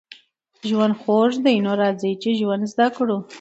ژوند خوږ دی نو راځئ چې ژوند زده کړو